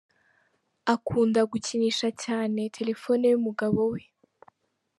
Akunda gukinisha cyane telephone y’umugabo we :.